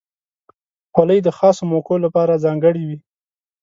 خولۍ د خاصو موقعو لپاره ځانګړې وي.